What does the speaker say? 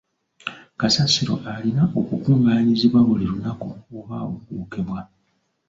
Kasasiro alina okukungaanyizibwa buli lunaku oba okwokyebwa.